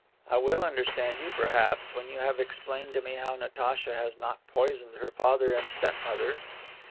"I will understand you, perhaps, when you have explained to me how Natacha has not poisoned her father and step mother."